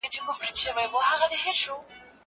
زه اوږده وخت شګه پاکوم!.